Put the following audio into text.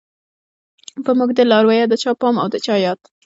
په موږ دی لارويه د چا پام او د چا ياد